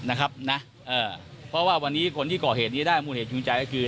นะครับนะเอ่อเพราะว่าวันนี้คนที่ก่อเหตุนี้ได้มูลเหตุจูงใจก็คือ